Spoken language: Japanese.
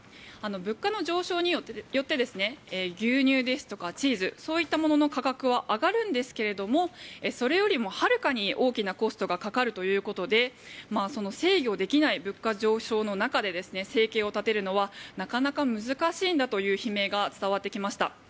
物価の上昇によって牛乳ですとかチーズそういったものの価格は上がるんですけどもそれよりもはるかに大きなコストがかかるということで制御できない物価上昇の中で生計を立てるのはなかなか難しいんだという悲鳴が伝わってきました。